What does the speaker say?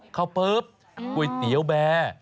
เปิ๊บก๋วยเตี๋ยวแบร์